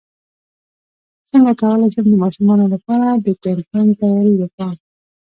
څنګه کولی شم د ماشومانو لپاره د کیمپینګ تیاری وکړم